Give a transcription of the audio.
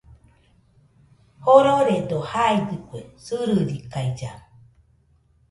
Jororedo jaidɨkue sɨrɨrikailla.